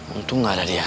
untung gak ada dia